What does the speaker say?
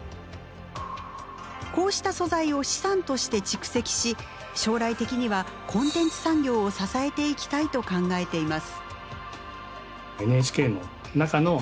こうした素材を資産として蓄積し将来的にはコンテンツ産業を支えていきたいと考えています。